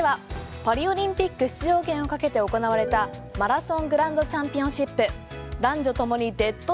続いてはパリオリンピック出場権をかけて行われたマラソングランドチャンピオンシップ。